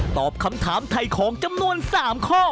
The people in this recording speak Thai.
ตอบคำถามไถ่ของจำนวน๓ข้อ